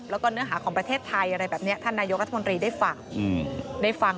แล้วก็เนื้อหาของประเทศไทยอะไรแบบนี้ท่านนายกรัฐมนตรีได้ฟังได้ฟัง